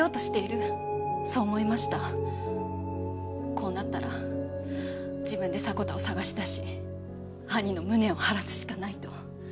こうなったら自分で迫田を捜し出し兄の無念を晴らすしかないと。